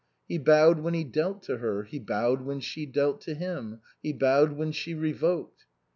He bowed when he dealt to her ; he bowed when she dealt to him ; he bowed when she revoked.